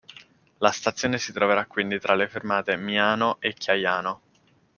La stazione si troverà quindi tra le fermate Miano e Chiaiano.